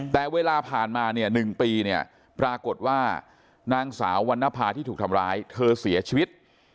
แต่เวลาผ่านมาเนี่ย๑ปีเนี่ยปรากฏว่านางสาววรรณภาที่ถูกทำร้ายเธอเสียชีวิต